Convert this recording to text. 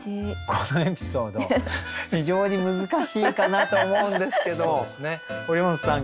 このエピソード非常に難しいかなと思うんですけど堀本さん。